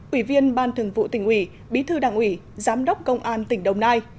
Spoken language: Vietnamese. ủy viên ban thường vụ tỉnh ủy bí thư đảng ủy giám đốc công an tỉnh đồng nai